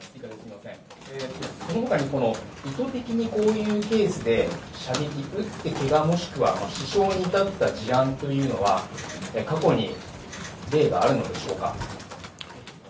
そのほかに、意図的にこういうケースで、射撃、撃ってけが、もしくは死傷に至った事案というのは、過去に例があるのでしょうか。